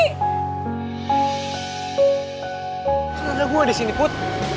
kenapa ada gue di sini put